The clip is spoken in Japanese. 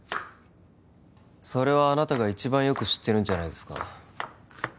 それはあなたが一番よく知ってるんじゃないですか